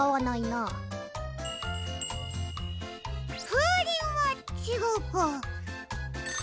ふうりんはちがうか。